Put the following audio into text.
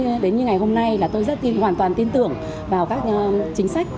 tôi đến như ngày hôm nay là tôi rất hoàn toàn tin tưởng vào các chính sách